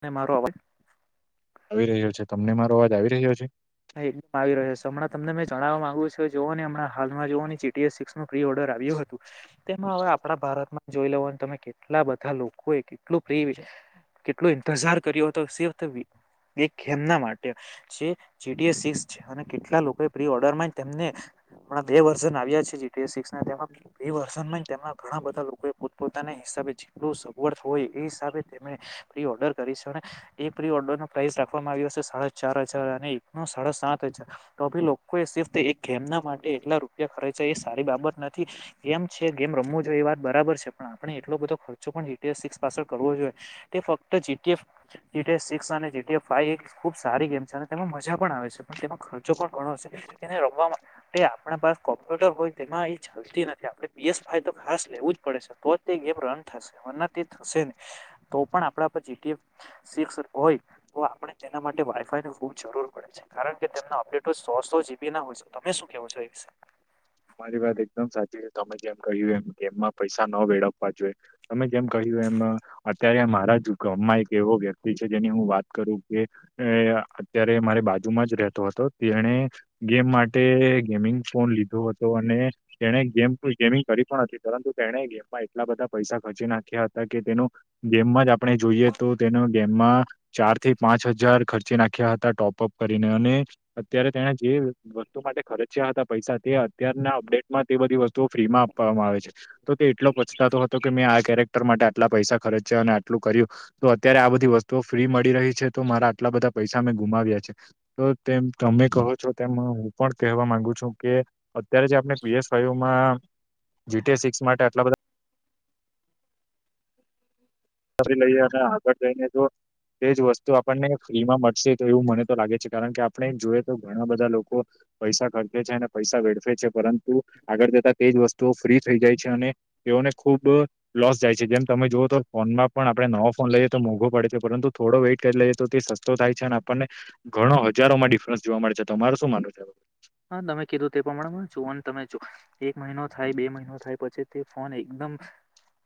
ને મારો અવાજ આવી રહ્યો છે? તમને મારો અવાજ આવી રહ્યો છે? હા, આવી રહ્યો છે. હમણાં તમને મેં જણાવવા માગુ છું કે, જોઓ ને હમણા હાલમાં જુઓ ને, જીટીએસ સિક્સ નું પ્રી- ઓર્ડર કયું હતું તેમાં હવે આપણા ભારતમાં જોઈ લેવ, તમે કેટલા બધા લોકો એ કેટલું પ્રિય કેટલો ઇંતજાર કર્યો હતો સેવ થવી એક એમના માટે, જે જીટીએ સિક્સ છે, અને કેટલા લોકો એ પ્રી-ઓર્ડર માં તેમને બે વર્ઝન આવ્યા છે, જીટીએ સિક્સ. તેમાં બે વર્ઝન માં, તેમના ઘણા બધા લોકોએ પોતપોતાના હિસાબે જેટલું સગવડ હોય એ હિસાબે તમે પ્રિ-ઓર્ડર કરીશો, એ પ્રિ-ઓર્ડર નો પ્રાઇસ રાખવામાં આવ્યો હશે સાડા ચાર હજાર, અને ના, સાડા સાત હજાર તો બી લોકો એ સિફત એક ગેમના માટે એટલા રૂપિયા ખર્ચ્યા, એ સારી બાબત આથી ગેમ છે, ગેમ રમવું જોઈએ એ વાત બરાબર છે, પણ આપણે એટલો બધો ખર્ચો પણ જીટીએ સિક્સ પાસળ કરવો જોઈએ તે ફક્ત G T F GTA six અને જીટીએ ફાઈવ, તે ખુબ સારી ગેમ છે, અને તેમાં મસ મજા પણ આવે છે, પણ તેમાં ખર્ચો પણ ઘણો હશે. એને રમવા માટે આપણા પાસ કોમ્પ્યુટર હોય, તેમાં ઇ ચલતી નથી. આપણે પી. એસ. ફાઈલ તો ખાસ લેવું જ પડે છે, તો તે ગેમ રન થશે. વિના તે થશે નહીં. તો પણ આપણા પર જી. ટી. એફ સિક્સ હોય, તો આપણે તેના માટે વાઈ-ફાઈ ખુબ જરૂર કારણ કે તેમના અપડેટો સો-સો જીબી ના હોય છે. તમે શું કેવો છો એ વિશે? મારી વાત એકદમ સાચી છે. તમે જેમ કહ્યું એમ, ગેમમાં પૈસા ન વેડફવા જોઈએ. તમે જેમ કહ્યું એમાં અત્યારે એ મારા જ ગોમમાં એક એવો વ્યક્તિ છે, જેની હું વાત કરું કે એ ય અત્યારે મારે બાજુમાં જ રહેતો હતો. તેણે ગેમ માટે ગેમિંગ ફોન લીધો હતો. તો, અને તેણે ગેમ ગેમિંગ કરી પણ હતી, પરંતુ તેણે ગેમમાં એટલા બધા પૈસા ખર્ચી નાખ્યા હતા. એ કે તેનું ગેમમાં જ આપણે જોઈએ તો તેનો ગેમમાં ચાર થી પાંચ હજાર ખર્ચી નાખ્યા હ ટોપઅપ કરીને અને અત્યારે તેણે જે વસ્તુ માટે ખર્ચ્યા હતા પૈસા તે અત્યારના અપડેટમાં તે બધી વસ્તુઓ ફ્રી માં આપવામાં આવે છે. તો તે એટલો પછતાતો હતો કે મેં આ કેરેક્ટર માટે આટલા પૈસા ખર્ચ્યા અને આટલું કર્યું તો અત્યારે આ બધી વસ્તુઓ ફ્રી મ રહી છે તો મારા આટલા બધા પૈસા મેં ગુમાવ્યા છે તો તેમ તમે કહો છો તેમ હું પણ કહેવા માંગુ છું કે અત્યારે જે આપણે પી એસ ફાઈવમાં જી ટી એ સિક્સ માટે આટલા બધા [inaudible] [inaudible] તા આગળ જઈને તો તે જ વસ્તુ આપણને ફ્રીમાં મળશે તો એવું મને તો લાગે છે. કારણ કે આપણે જોઈએ તો ઘણા બધા લોકો પૈસા ખર્ચે છે અને પૈસા વેડફે છે. પરંતુ આગળ જતાં તેજ વસ્તુઓ ફ્રી થઈ જાય છે અને તેઓને ખુબ લોસ જાય છે. જેમ તમે જોઓ તો ફોનમાં પણ આપણે નવો ફોન લઈએ તો મોંઘો પડે છે પરંતુ થો વેઇટ કરી લઈએ તો તે સસ્તો થાય છે અને આપણને ઘણો હજારો માં ડિફરન્સ જોવા મળે છે. તમારો શું માનવુ છે? હા તમે કીધું તે પ્રમાણે જોન તમે જો એક મહિનો થાય બે મહિનો થાય પછી તે ફોન એકદમ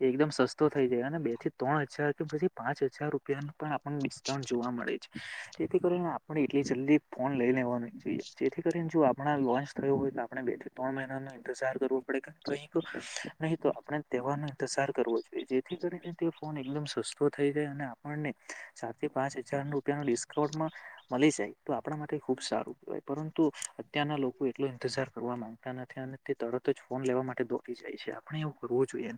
એકદમ સસ્તો થઈ જાય અને બે થી ત્રણ હજાર કે પછી પાંચ હજાર રૂપિયા પણ આપણ ડિસ્કાઉન્ટ જોવા મળે છે. જેથી કરીને આ પણ એટલી જલ્દી ફોન લઈ લેવા ન જોઈએ. જેથી કરીને જો આપણા લોન્ચ થયો હોય તો આપણે બે થી ત્રણ મહિના ઇન્તેઝાર કરવો પડે [inaudible] નહી તહેવાર ઇંતજાર કરવો જોઈએ જેથી કરીને ફોન એકમ સસ્તો થઈ જાય અને આપણને સાથે પાંચ હજાર રૂપિયા ડિસ્કાન્ટમાં મળી જાય તો આપણા માટે ખુબ સારું કહેવાય. પરંતુ અત્યારના લોકો એટલો ઇંતજાર કરવા માંગતા નથી. અન તરત જ ફોન લેવા માટે દોરી જાય છે આપણે એવું કરવું જોઈએ.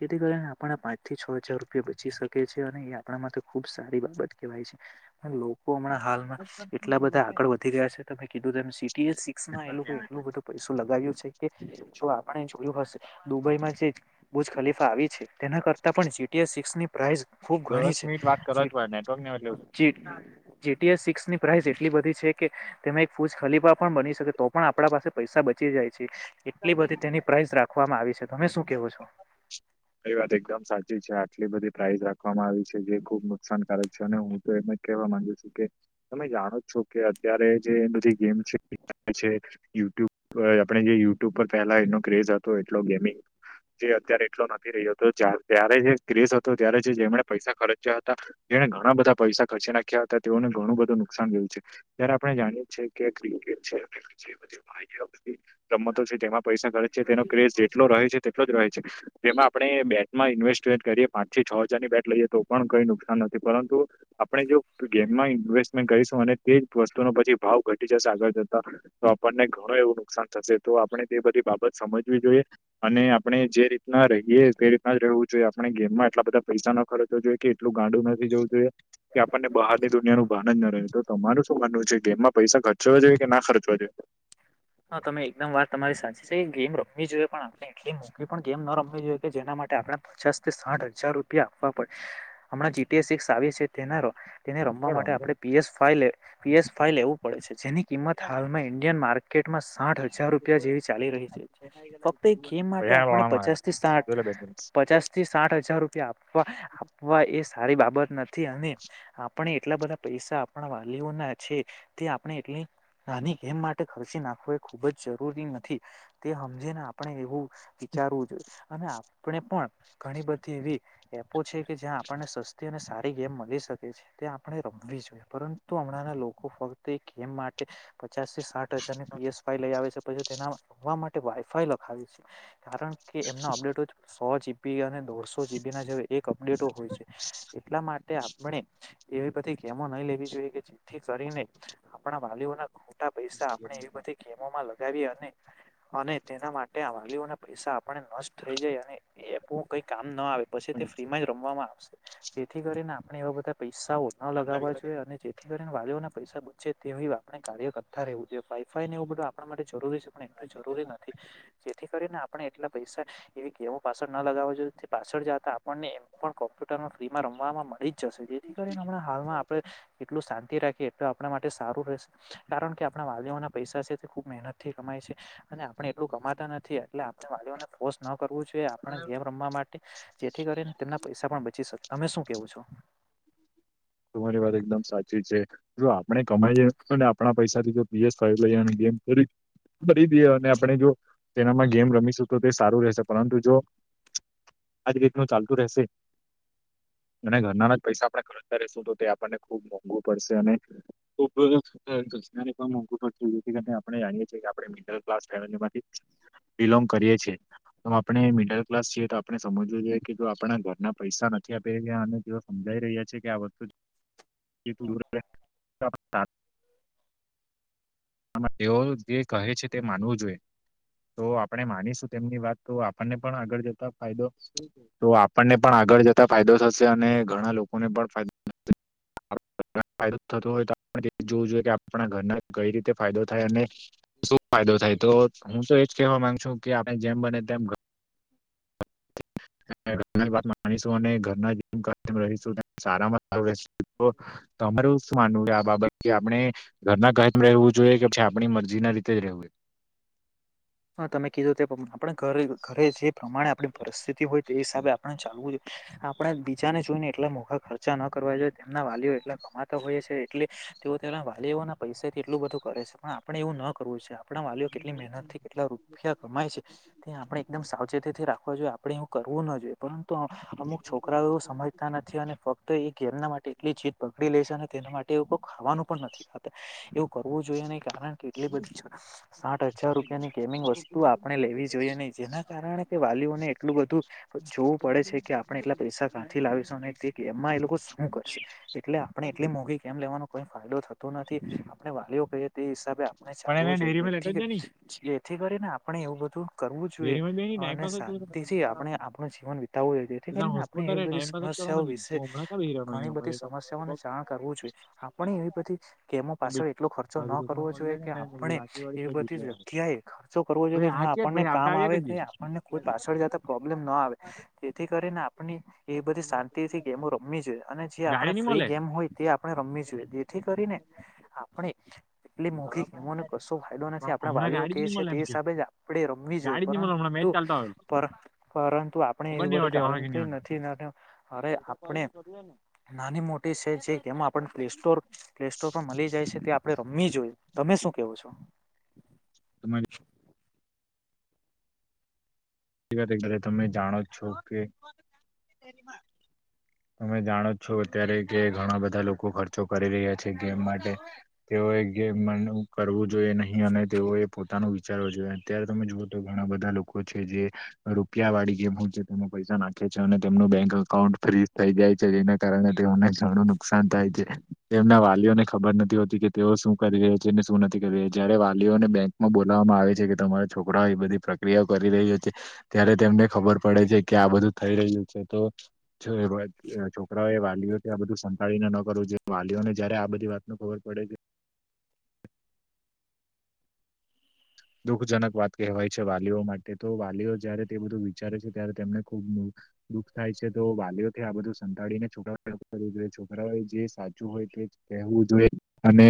જેથી કારણે આપણા પાંચ થી છ હજાર રૂપિયા બચી શકે છે અને એ આપણા માટે ખુબ સારી બાબત કેહેવાય છે. પણ લોકો હમણાં હાલ એટલા બધા આગળ વધી ગયા છે તમે કીધું સી ટી એ સિક્સમાં એ લોકો એટલું બધું પૈસો લગાવ્યું છે. છું આપ જોયું હશે દુબઈમાં જે બુજ ખલીફા આવી છે તેના કરતા પણ જી ટી એ સિક્સની ખુબ ઘણી દસ છે મિનિટ વાત કરવા જ જે પડે નેટવર્ક ને એટલે જે જે ટી એ સિક્ ની પ્રાઇસ એટલી બધી છે કે તે એક ફૂઝ ખલીપા પણ બની શકે તો પણ આપડા પાસે પૈસા બચી જાય. એટલી બધી તેની પ્રાઇઝ રાખવામાં આવી છે. તમે શું કેવો છો? એ વાત એકદમ સાચી છે. આટલી બધી પ્રાઇઝ રાખવામાં આવી છે. જે ખુબ નુકસાનકારક છે અને હું તો એમને કેવા માંગુ છું કે તમે જાણો કે અત્યારે જે બધી ગેમ છે [inaudible] છે યુટ્યુબ આપણે જે યુ ટુબ પહેલા એનો ક્રેઝ હતો એટલો ગેમિંગ. જે અત્યારે નથી રહ્યો જ્યારે જે ક્રેસ હતો ત્યારે જે જેમણે પૈસા ખર્ચ્યા હતા તેને ઘણા બધા પૈસા ખચી નાખ્યાતા તેઓને ઘણું બધું નુકસાન થયું છે. જયારે આપણે જાણીય છે કે [inaudible] રમત પૈસા ખર્ચ છે તેનો ક્રેઝ જેટલો રહે છે તેટલો જ રહે છે જેમાં આપણે બેંકમાં ઇન્વેસ્ટ કરીએ પાંચથી છ હજારની બેટ લઈએ તો પણ કઈ નુકસાન નથી પરંતુ આપણે જો ગેમમાં ઇન્વેસ્ટમેન્ટ કરીશું અને તે જ વસ્તુનો પછી ભાવ ઘટી જશે આગળ જતા તો આપણને ઘણો એવું નુકસાન થશે તો આપણે તે બધી બાબત સમજવી જોઈએ અને આપણે જે રીતે ના રહીએ ક રીતના જ રહેવું જોઈએ આપણે ગેમમાં એટલા બધા પૈસા ના ખર્ચવા જોઈએ કે એટલું ગાંડું નથી જવું જોઈએ. કે આપણને બહારની દુનિયાનું ભાન જ ના રહે તો તમારું શું માનવું છે કે એમમાં પૈસા ખર્ચવા છે કે ના ખર્ચવા? જે હા તમે એકદમ વાત તમારી સાચી છે કે ગેમ રમવી જોઈએ પણ આપણે એટલી મોલી પણ ગેમ ન રમવી જોઈએ કે જેના માટે આપણે પચાસથી આઠ હજાર રૂપિયા આપવા પડ હમણાં જી ટી એ શિક આવે છે. તેના તેને રમવા માટે ચડવાનું આપડણે પી એસ ફાઇ પી એસ ફાઇલ લેવું પડે છે જેની કિંમત હાલમાં ઈન્ડિયન માર્કેટમાં સાઠ હ હજાર રૂપિયા જેવી ચાલી રહી છે. ફક્ત ગેમ માટે આપને વાળામાં પચાસ થી સાત પચાસ થી સાઠ હજાર રૂપિયા આપવા આપવા એ સારી બાબત નથી અને આપણે એટલા બધા પૈસા આપણા વાલીઓના છે તે આપણે એટલી નાની એમ માટે ખર્ચી નાખવો એ ખુબ જ જરૂરી નથી તે સમજે ને આપણે એવું વિચારવું જોઈએ અને આપણે પણ ઘણી બધી એવી છે કે જ્યાં આપણને સસ્તી અને સારી ગેમ મળગી શકે છે તે આપણે રમવી જોઈએ પરંતુ હમણાં લોકો ફક્ત એ ગેમ માટે પચાસસી સાઠ હજાર પીએસ ફાઈ લઈ આવે છે. પછી તેનાવા માટે વાયફાઈ લખાવી છે કારણ કે એમના અપડેટો સો જીબી અને દોઢસો જીબી ના જે એક અપડેટો હોય છે. એટલા માટે આપણે એવી બધી ગમો નહી લેવી જોઈએ કે જેથી કરીને આપણા વાલીઓના ટા પૈસા આપણે એવી બધી ગેમોમાં લગાવીએ અને અને તેના માટે આ વાલીઓને પૈસા આપને નષ્ટ થઈ જાય અને એ કઈ કામ ના આવે પછી ફ્રીમાં જ રમવામાં આવશે જેથી કરીને આપણે એવા બધા પૈસાઓ ન લગાવવા જોઈએ અને જેથી વાલીઓ ના પૈસા બચે તેવી આપણે કાર્ય કરતા રહેવું જોઈએ વાઈફાઈ ને એવું બધું આપણા માટે જરૂરી છે. અને એટલું જરૂરી નથી જેથી કરીને આ પણ એટલા પૈસા એવી ગેમો પાછળ ન લગાવવા જો પાછળ જતા આપણને એમ પણ કોમ્પ્યુટરમાં ફ્રીમાં રમવામાં મળી જ જશે જેથી કરીને હમણાં હાલમાં આપણે એટલું શાંતિ રાખીએ તો આપણા માટે સારું રહેશે કારણ કે આપણા વાલીઓના પૈસા છે તે ખૂબ મહેનત થી કમાય છે અને આપણે એટલું કમાતા નથી એટલે આપણે વાલીઓને ફોર્સ ન કરવું જોઈએ આપણે ગેમ રમવા માટે જેથી કરીને તેમના પૈસા પણ બચી શકે. તમે શું કેવું છો? તમારી વાત એકદમ સાચી છે જો આપણે કમાઈ જ ને આપણા પૈસાથી જો પી એસ ફાઇ લઈએ મજબુરી કરી દિયેને આપણે જો તેનામાં ગેમ રમીશું તો તે સારું રહેશે પરંતુ જો આજ રીતનું ચાલતું રેહશે અને ઘરના ના જ પૈસા આપણે ખ કરતા રહેશું તો તે આપણને ખુબ મોંઘુ પડશે અને [unintelligible] આપણે જાણીએ છીએ કે આપડે મિડલ ક્લાસ ફેમિલી માંથી બિલોંગ કરીએ છીણે એમ આપણે મિડલ ક્લાસ છીએ તો આપણે સમજવું જોઈએ કે જો આપણા ઘરના પૈસા નથી આપી રહ્યા અને જે સમજાઈ રહ્યા છે. કે આ વસ્તુ [unintelligible] આમા તેઓ જે કહે છે તે માનવું જોઈએ. તો આપણે માનીશું તેમની વાત તો આપણને પણ આગળ જતા ફાયદો તો આપણને પણ આ આગળ જતા ફાયદો થશે અને ઘણા લોકોને પણ ફાયદો ફાયદો થતો હોય તો જોવું જોઈએ કે આપણા ઘરના કઈ રીતે ફાયદો થાય અને શું ફાયદો થાય તો હું તો એજ કેવા માંગ છુ કે આપણે જેમ બને તેમ ઘત માનીશું અને ઘરના જે રહીશું સારામાં તો તમારુ શું માનવું કે બાબત કે આપણે ઘરના જેમ રહેવું જોઈએ કે પછી આપણી મરજી ના રીતે જ રહેવું. [inaudible] હા તમે કીધો તે આપણે ઘરે ઘરે જે પ્રમાણે આપણી પરિસ્થિતિ હોય તે એ હિસાબે આપણે ચાલવું જોઈએ આપણે બીજાને જોઈને એટલા મોખા ખર્ચા ન કરવા જોઈએ તેમના વાલીઓ એટલા કમાતા હોય સે એટલે તેઓ તેના વાલીઓ ના પૈસાથી એટલું બધું કરે છે પણ આપણે એવું ન કરવું છે. આપણા વાલીઓ કેટલી મહેનત થી કેટલા રૂપિયા કમાય છે તે આપણેે એકદમ સાવચેતીથી રાખવા જોઈએ આપડે એવું કરવું ન જોઈએ પરંતુ તો અમુક છોકરાઓ સમજતા નથી અને ફક્ત એ ગેમના માટે એટલી જીત પકડી લે છે ને તેના માટે એવું ખાવાનું પણ નથી ખાતા એવું કરવું જોઈએ નહી કારણ કે એટલી બધી છા સાઠ હજાર રૂ રૂપિયા ની ગેમિંગ વસ્તુ આપણે લેવી જોઈએ નહી જેના કારણે કે વાલીઓને એટલું બધું જોવું પડે છે. છે કે આપણે એટલા પૈસા કાંથી લાવીશું અને તે ગેમમાં એ લોકો શું કરશે એટલે આપણે એટલી મોઘી ગેમ લે વાનો કોઈ ફાયદો થતો નથી આપણે વાલીઓ કહીએ તે હિસાબે આપણે પણ એને ચાલવું જોઈએ ડેરીમાં લેટ જ ઠીક જાય ની હૈ. જેથી કરીને આપણે એવું બધું કરવું જોઈએ ડેરીમાં બે ની ટાઈમ અને પાસ જ કરે શાંતિથી કંટાળો આવે આપણે આપણું જીવન વિતાવવું જોઈએ જેથી બધા કરીને આપણે હોસ્પિટલ એવી બધી ટાઈમ પાસ જ સર એઓ કરવાનો કીધું વિશે તું હમણાં ક્યાં બેહી રહેવાનો ઘણી અહીંયા ઉભા બધી રહીને સમસ્યાઓને બોક્સ જાણ કરવું જોઈએ આપણે એવી બધી ગેમો બે પાસે એટલો ખર્ચો ન હારું તો પણ મળી કરવો જોઈએ જાય ને કે તારી નબળી આપણે વાકી વાળી એવી ચેક દૂધ બધી લેવાનું ક્યાં એ ખર્ચો કરવો જોઈ કે ભાઈ આ જ્યા ચેક આપણને ભાઈ કા આવતા કામ આવ્યા આવે કરજે તે આપણને કોઈ પાછળ જતા પ્રોબ્લેમ નો આવે જેથી કરીને આપણી એ બધી શાંતિ ગેમો રમવી જોઈએ અને જે ગાડી આપણે ની ફ્રી મલે ગેમ હોય તે આપણે રમવી જોઈએ જેથી કરીને આપણે એટલી મોંઘી ગેમોનો કશો ફાયદો નથી પણ આપણા હમણાં વાલીઓ ગાડી જ કે ની છે મલે તે એમ કે હિસાબે આપડે રમ ગાડી જ ની મલે હમણાં પરંતુ મેચ ચાલતો આવેલો પરં પરંતુ આપણે ખબર એવી ની હવે બધી ટેવા કારણ કે ની નથી અરે આપણે નાની મોટી છે જે ગેમ આપણને પ્લેસ્ટોર પ્લે સ્ટોર પર મળી જાય છે તે આપણે રમવી જોઈએ. તમે શું કેવો છો? તમારી લે તમે જાણો છો કે તમે જાણો છો અત્યારે કે ઘણા બધા લોકો ખર્ચો કરી રહ્યા છે ગેમ માટે તેઓ એક મ કરવું જોઈએ નહીં અને તેઓ એ તા ન વિચારવો જોઈએ અત્યારે તમે જુઓ તો ઘણા બધા લોકો છે જે રૂપિયા વાળી ગમું છે તેને પૈસા નાખે છે અને તેમનું બેંક અકાઉન્ટ ફ્રી થઇ જાય છે જેના કારણે ને ઘણું નુકસાન થાય છે તેમના વાલીઓને ખબર નથી હોતી કે તેઓ શું કરી રહ છે નથી કરી જયારે વાલીઓને બેંકમાં બોલાવામાં આવે છે કે તમારા છોકરાઓ એ બધી પ્રક્રિયા કરી રહહી છે ત્યારે તેમને ખબર પડે છે કે આ બધું થઈ રહ્યું છે તો છોકરાઓ વાલીઓ આ બધું સંતાીને ન કરવું વાલીઓને જયારે આ બધી વાત ન ખબર પડે છે [inaudible] દુઃખજનક વાત કહેવાય છે વાલીઓ માટે તો વાલીઓ જયારે તે બધું વિચારે છે ત્યારે તેમને ખુબ દુઃખ થાય છે તો વાલીઓથી આ બધું સંતાડીીને છોકરાઓ જોઈ છોકરાઓ જે સાચું હોય વું જોઈએ અને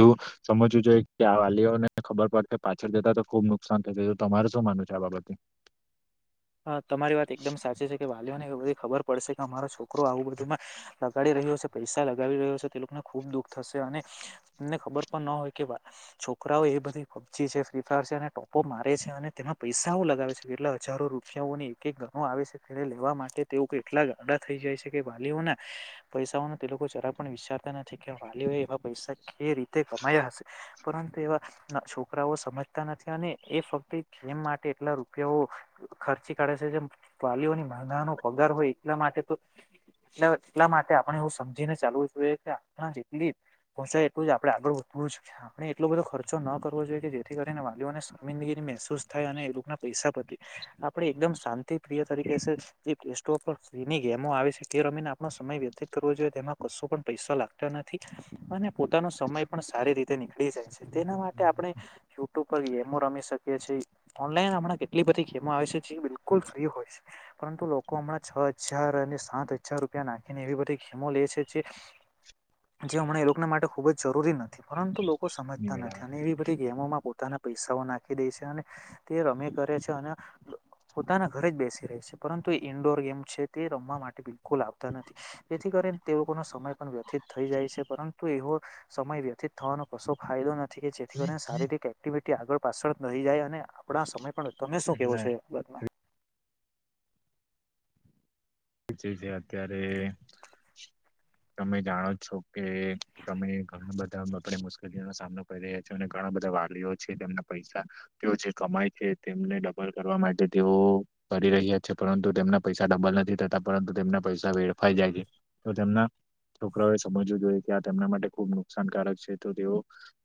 બુ સમજવું જોઈએ કે આ વાલીઓને ખબર પડશે પાછળ જતા તો ખુબ નુકસાન થું તમાર શું માનું છે આ બાબતે હા તમારી વાત એકદમ સાચી છે કે વાલીઓનેધ ખબર પડશે કે અમારો છોકરો આવું બધુંમાં લગાડી રહ્યો હ છે પૈસા લગાવી રહ્યો હ છે તે લોકોને ખુબ દુઃખ થશે ને ખબર પણ ન હોય કે છોકરાઓ એ બધી પબજી છે ફ્રી ફાયર છે અને ટોપો મારે છે અને તેમાં પૈસાઓું લગાવે છે કે એટલે હજો રૂ એક એક ગણ આવે છે તે લેવા માટે તેઓ એટલા ગાડા થઈ જાય છે કે વાલીઓના પૈસા તે જરા પણ વિચારતા નથી કે વાલીઓ એવા પૈસા કે રીતે કમાયા હશે પરંતુ છોકરાઓ સમજતા નથી અને એ ફક્ત ગેમ માટે એટલા રૂપિયા ખર્ચી કાઢે છે જેમ વાલીઓની મહનાનો પગાર હોય એટલા માટે તો એટલે એટલા માટે આપણે એવું સમજીને ચાલવું જોઈએ કે આપણા જેટલી પહોંચાય એલું જ આપણે આગળ વધવું આપણે એટલો બધો ખર્ચો ના કરવો જોઈએ કે જેથી કરીને વાલીઓને જમિંદગી મહેસૂસ થાય અને એ લોકો ના પૈસા પ આપે એકદમ શાંતિ પ્રિય તરીકે છે જે પ્લે સ્ટો પર ફ્રીની ગેમો આવે છે તે રમીને આપણો સમય વ જોઈએ તેમાં કશો પણ પૈસા લાગતો નથી અને પોતાનો સમય પણ સારી રીતે નીકળી જાય છે તેના માટે આપણે યુટુ કરી એમો રમેશ શકીીએ ઓનલાઈન હમણાં કેટલી બધી એ આવે છે જે બિલકુલ ફ્રી હોય છે પરંતુ લોકો હમણાં છ હજાર અને સાત હજાર રૂપિયા નાખીને બધીમો લે છે જે હમણાં એ લોકોને માટે ખૂબ જ જરૂરી નથી પરંતુ લોકો સમજતા નથી અને એવી બધી ગેમોમાં પોતાના પૈસાઓ નાખી દે છે અને તે રમેી કરે છે અને હ પોતાના ઘરે જ બેસી રહે છે પરંતુ એ ઇન્ડોર ગેમ છે તે રમવા માટે બિલકુલ આવતા નથી જેથી તે લોકોનો સમય પણ વ્યથિત થઈ જાય છે પરંતુ એવો સમય વ્યથિત થવાનો કશો ફાયદો નથી કે જે થીને શારીરિક એક્ટિવિટી આગળ પાછળ રહી જાય અને આપણા સમય પણમે કેવો છે બાદમાં ચ છે અત્યારે તમે જાણો છો કે તમે ઘણા બધા આપે મુશ્કેલીઓનો સામનો કરી રહ્યા છો અને ઘણા બધા વાલીઓ છે, તેમના પૈસા તેઓ જે કમાય છે, તેમને ડબલ કરવા માટે તેઓ પડી [unintelligible] રહ્યા છે પરંતુ તેમના પૈસા ડબલ નથીતા. પરંતુ તેમના પૈસા વેડફાઈ જાય છે. તો તેમના છોકરાએ સમજવું જોઈએ કે આ તેમના માટે ખુબ નુકસાનકારક છે. તો તેઓ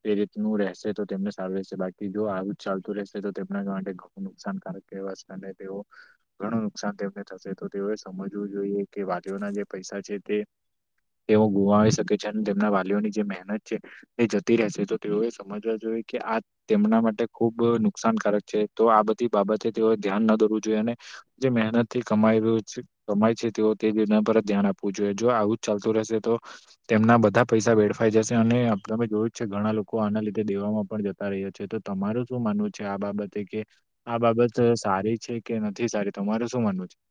એ રીતનું રહેશે તો સારું રહેશે બાકી જો આવું જ ચાલતું રહેશે તો તેમના માટે ઘણું નુકસાનકારક કવાશે તેઓ ઘણું નુકસાન તેમને થશે તો તેઓએ સમજવું જોઈએ કે વાલીઓના જે પૈસા છે તે તેઓ ગુમાવી શકે છે. અને તેમના વાલીઓની જે મહેનત છે તે જતી રહેશે તો તેઓએ સમજવા જોઈ કે આ તેમના માટે ખુબ નુકસાનકારક છે. તો આ બધી બાબતે તેઓ ધ્યાન ન દોરવું જોઈએ અને જે મહેનતથી કમાઈ રહ્યું છે. સમય છે તેઓ તેના પર જ ધ્યાન આપવું જોઈએ જો આવું જ ચાલતું રહેશે તો તેમના બધા પૈસા વેડ ફાઈ જશે અને તમે જોયું છે ઘણા લોકો આના લીધે દેવામાં પણ જતા રહ્યા છે તો તમારું શું માનવું છે? બાબતે કે આ બાબત સારી છે કે નથી સારી તમારે શું માનવું છે?